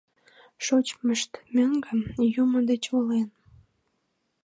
Шочмышт мӧҥгӧ, Юмо деч волен